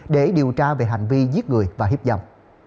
để điều tra về hành vi giết người và hiếp dâm